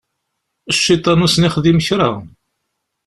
Cciṭan ur sen-yexdim kra.